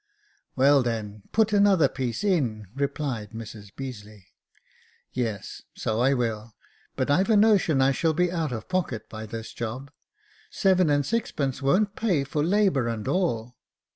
"Well, then, put another piece in," replied Mrs Beazeley. " Yes ; so I will ; but I've a notion I shall be out of pocket by this job. Seven and sixpence won't pay for labour and all.